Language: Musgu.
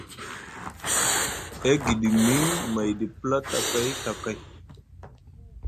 E giɗimiŋ mayɗi platakay Ɵa kay.